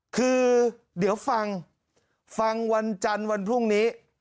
คือเดี๋ยวฟังฟังวันจันทร์วันพรุ่งนี้